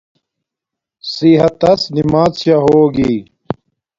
صحت تس نماز شا ہوگی